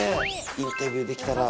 インタビューできたら。